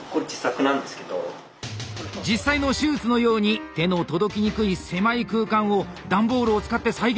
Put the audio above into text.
実際の手術のように手の届きにくい狭い空間を段ボールを使って再現。